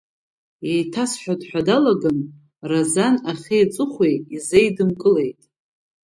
Иеиҭасҳәоит ҳәа далаган, Разан ахи аҵыхәеи изеидымкылеит.